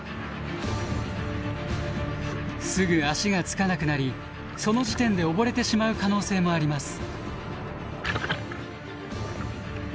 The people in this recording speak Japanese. すぐ足が着かなくなりその時点で溺れてしまう可能性もあります。